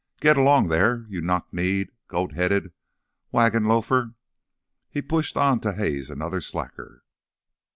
"Git 'long there, you knock kneed, goat headed wagon loafer!" He pushed on to haze another slacker.